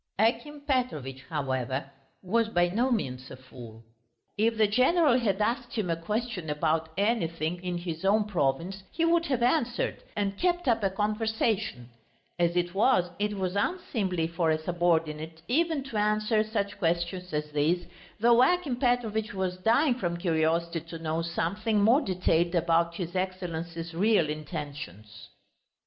Akim Petrovitch, however, was by no means a fool. If the general had asked him a question about anything in his own province he would have answered and kept up a conversation; as it was, it was unseemly for a subordinate even to answer such questions as these, though Akim Petrovitch was dying from curiosity to know something more detailed about his Excellency's real intentions.